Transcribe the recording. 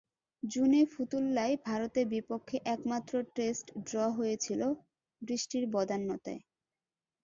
জুনে ফতুল্লায় ভারতের বিপক্ষে একমাত্র টেস্ট ড্র হয়েছিল হয়েছিল বৃষ্টির বদান্যতায়।